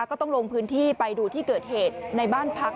ก็ต้องลงพื้นที่ไปดูที่เกิดเหตุในบ้านพัก